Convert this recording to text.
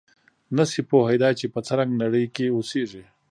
نه شي پوهېدای چې په څه رنګه نړۍ کې اوسېږي.